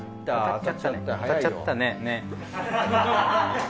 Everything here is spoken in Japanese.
当たっちゃった早いよ。